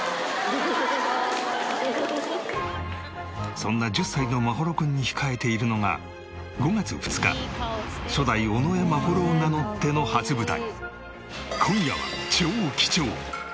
そんな１０歳の眞秀君に控えているのが５月２日初代尾上眞秀を名乗っての初舞台。